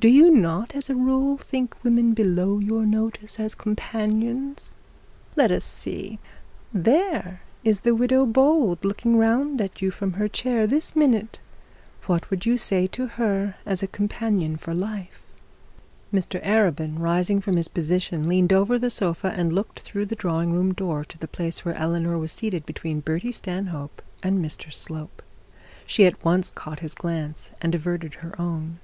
Do you not as a rule think women below your notice as companions? Let us see. There is the widow Bold looking round at you from her chair this minute. What would you say to her as a companion for life?' Mr Arabin, rising from his position, leaned over the sofa and looked through the drawing room door to the place where Eleanor was seated between Bertie Stanhope and Mr Slope. She at once caught his glance, and averted her own.